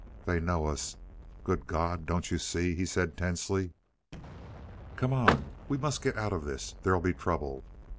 "They know us good God, don't you see?" he said tensely. "Come on. We must get out of this. There'll be trouble."